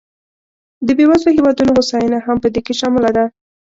د بېوزلو هېوادونو هوساینه هم په دې کې شامله ده.